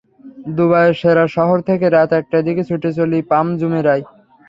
দুবাইয়ের দেরা শহর থেকে রাত একটার দিকে ছুটে চলি পাম জুমেরায়।